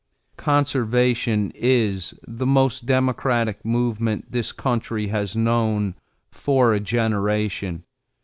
Conservation is the most democratic movement this country has known for a generation.